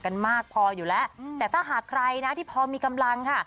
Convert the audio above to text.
กันมากพออยู่แล้วแต่ถ้าหากใครนะที่พอมีกำลังค่ะ